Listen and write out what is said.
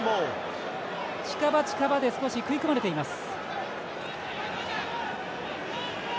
近場近場で少し食い込まれています。